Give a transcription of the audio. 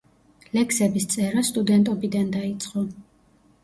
ლექსების წერა სტუდენტობიდან დაიწყო.